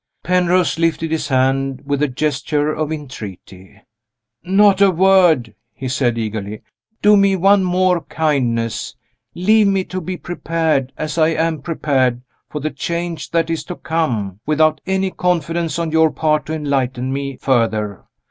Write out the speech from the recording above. Penrose lifted his hand with a gesture of entreaty. "Not a word!" he said, eagerly. "Do me one more kindness leave me to be prepared (as I am prepared) for the change that is to come, without any confidence on your part to enlighten me further.